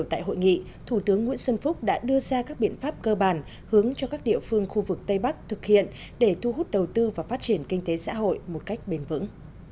tại hội nghị thủ tướng nguyễn xuân phúc đã đưa ra các biện pháp cơ bản hướng cho các địa phương khu vực tây bắc thực hiện để thu hút đầu tư và phát triển kinh tế xã hội một cách bền vững